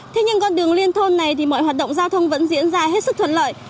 thế nhưng con đường liên thôn này thì mọi hoạt động giao thông vẫn diễn ra hết sức thuận lợi